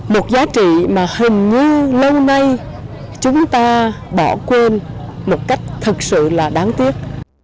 một giá trị mà hình như lâu nay chúng ta bỏ quên một cách thật sự là đáng tiếc